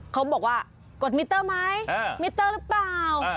เขาบอกว่ากดมิเตอร์ไหมมิเตอร์หรือเปล่า